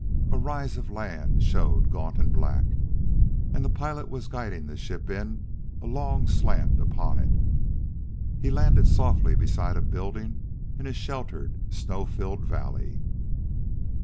A rise of land showed gaunt and black, and the pilot was guiding the ship in a long slant upon it. He landed softly beside a building in a sheltered, snow filled valley.